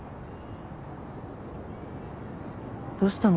どうしたの？